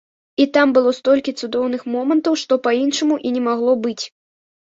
І там было столькі цудоўных момантаў, што па-іншаму і не магло быць.